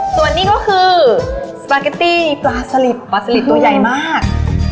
ส่วนนี้ก็คือสปาเกตตี้ปลาสลิดปลาสลิดตัวใหญ่มาก